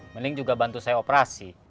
mending juga bantu saya operasi